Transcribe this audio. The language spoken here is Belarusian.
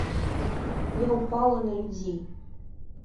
Я ўпала на людзей.